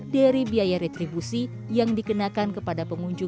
dari biaya retribusi yang dikenakan kepada pengunjung